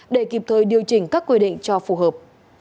để kịp thời điều chỉnh các quy định cho phù hợp